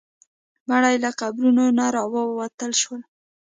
مړي له قبرونو نه راوتل شول.